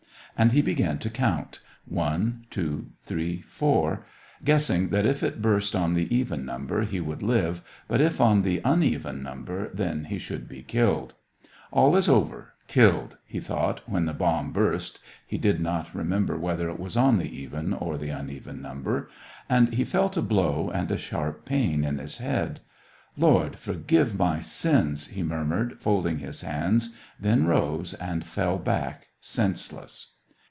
And he began to count, "One, two, three, four," guessing that if it burst on the even number, he would live, but if on the uneven number, then he should be killed. "All is over ; killed," he thought, when the bomb burst (he did not remember whether it was on the even or the uneven num ber), and he felt a blow, and a sharp pain in his I04 SEVASTOPOL IN MAY, head. "Lord, forgive my sins," he murmured, fold ing his hands, then rose, and fell back senseless.